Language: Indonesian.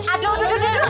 aduh duduk duduk